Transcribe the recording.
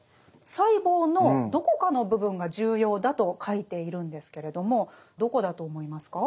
細胞のどこかの部分が重要だと書いているんですけれどもどこだと思いますか？